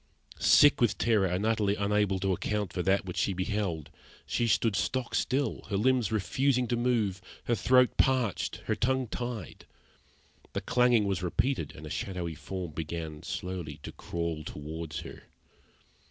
Sick with terror and utterly unable to account for what she beheld, she stood stock still, her limbs refusing to move, her throat parched, her tongue tied. The clanging was repeated, and a shadowy form began slowly to crawl towards her.